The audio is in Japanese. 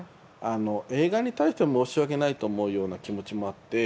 映画に対して申し訳ないと思うような気持ちもあって。